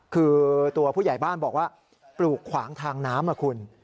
คือตัวผู้ใหญ่บ้านบอกว่าปลูกขวางทางน้ำอ่ะคุณ